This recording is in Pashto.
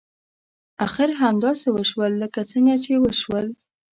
اخر همداسې وشول لکه څنګه چې وشول.